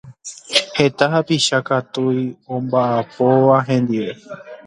Heta hapicha katui omba'apóva hendive